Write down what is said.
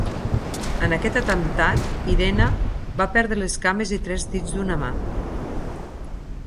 En aquest atemptat, Irene va perdre les cames i tres dits d'una mà.